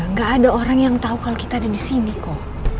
nggak ada orang yang tahu kalau kita ada di sini kok